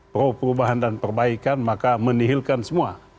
pro perubahan dan perbaikan maka menihilkan semua